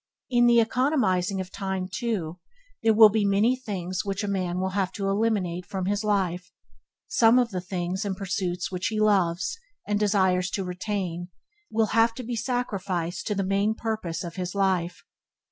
In the economizing of time, too, there will be many things which a man will have to eliminate from his life; some of things and pursuits which he loves, and desires to retain, will have to be sacrifice to the main purpose of his life.